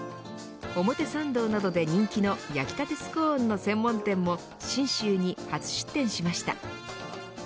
表参道などで人気の焼きたてスコーンの専門店も信州に初出店しました。